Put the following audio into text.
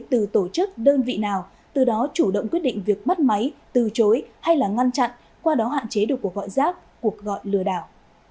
từ tổ chức đơn vị nào từ đó chủ động quyết định việc bắt máy từ chối hay là ngăn chặn qua đó hạn chế được cuộc gọi rác cuộc gọi lừa đảo